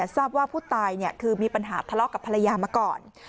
ทราบว่าผู้ตายคือมีปัญหาทะเลาะกับภรรยามาก่อน